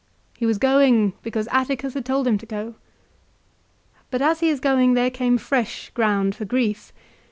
He was going' because Atticus had told him to go. But as he is going there came fresh ground for grief.